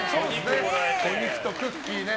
お肉とクッキーね。